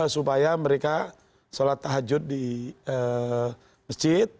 supaya mereka sholat tahajud di masjid